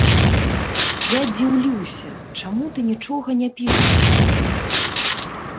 Я дзіўлюся, чаму ты нічога не пішаш мне.